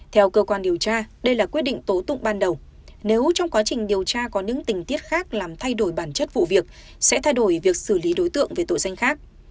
theo cơ quan điều tra đây là quyết định tố tụng ban đầu nếu trong quá trình điều tra có những tình tiết khác làm thay đổi bản chất vụ việc sẽ thay đổi việc xử lý đối tượng về tội danh khác